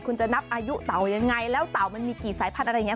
คุณจะนับอายุเต่ายังไงแล้วเต่ามันมีกี่สายพันธุ์อะไรอย่างนี้